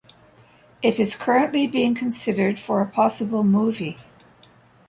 It is currently being considered for a possible movie.